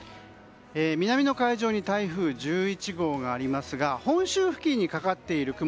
南の海上に台風１１号がありますが本州付近にかかっている雲